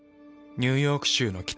ニューヨーク州の北。